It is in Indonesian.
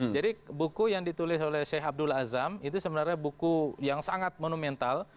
jadi buku yang ditulis oleh sheikh abdul azam itu sebenarnya buku yang sangat monumental